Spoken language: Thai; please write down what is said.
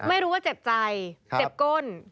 ไม่รู้ว่าเจ็บใจเจ็บก้น